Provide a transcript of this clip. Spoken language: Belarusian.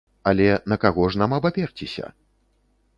Але на каго ж нам абаперціся?